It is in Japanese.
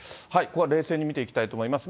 ここは冷静に見ていきたいと思います。